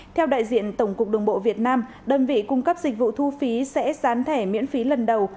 theo đại diện tổng cục đường bộ việt nam đơn vị cung cấp dịch vụ thu phí sẽ sán thẻ miễn phí lần đầu